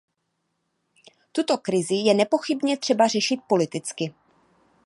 Tuto krizi je nepochybně třeba řešit politicky.